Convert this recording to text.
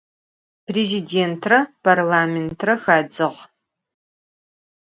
Prêzidêntre parlamêntre xadzığ.